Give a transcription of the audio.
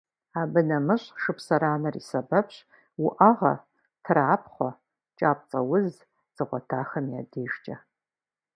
Абы нэмыщӏ шыпсыранэр и сэбэпщ уӏэгъэ, трапхъуэ, кӏапцӏэуз зыгъуэтахэм я дежкӏэ.